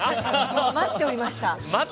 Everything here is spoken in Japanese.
待っておりました。